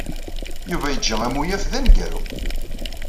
Yuba yeǧǧa amuyaf d aneggaru.